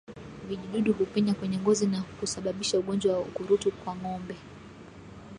Vijidudu hupenya kwenye ngozi na kusababisha ugonjwa wa ukurutu kwa ngombe